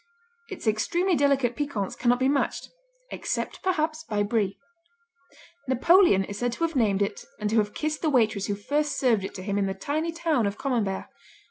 Its extremely delicate piquance cannot be matched, except perhaps by Brie. Napoleon is said to have named it and to have kissed the waitress who first served it to him in the tiny town of Camembert.